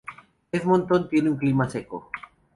Edmonton tiene un clima seco.